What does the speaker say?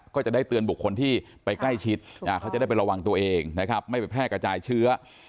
ก็จะได้เตือนบุคคลที่ไปใกล้ชิดเขาจะได้ไประวังตัวเองนะครับไม่ไปแพร่กระจายเชื้อ